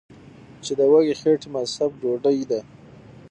چې د وږې خېټې مذهب ډوډۍ ده ـ